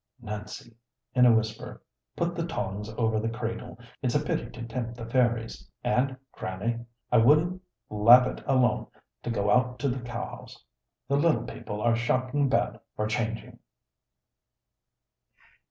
"Nancy," in a whisper, "put the tongs over the cradle; it's a pity to tempt the fairies. And, Grannie, I wouldn't lave it alone to go out to the cow house the lil people are shocking bad for changing."